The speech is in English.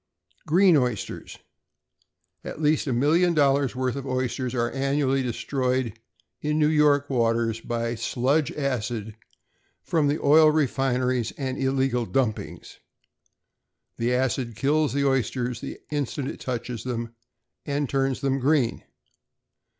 =Green Oysters.= At least a million dollars worth of oysters are annually destroyed in New York waters by sludge acid from the oil refineries and illegal dumpings. The acid kills the oysters the instant it touches them, and turns them green.